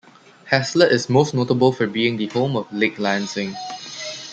Haslett is most notable for being the home of Lake Lansing.